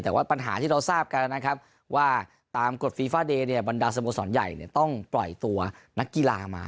แต่ว่าปัญหาที่เราทราบกันนะครับว่าตามกฎฟีฟาเดย์เนี่ยบรรดาสโมสรใหญ่ต้องปล่อยตัวนักกีฬามา